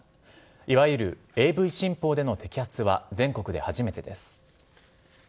いわゆるＡＶ新法での摘発は全国で初めてです。